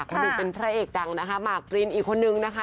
คุณผู้ชมเป็นพระเอกดังนะคะมาร์คปรีนอีกคนนึงนะคะ